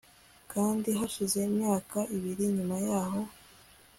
kandi hashize imyaka ibiri nyuma yaho